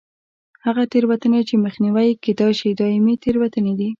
هغه تېروتنې چې مخنیوی یې کېدای شي دایمي تېروتنې دي.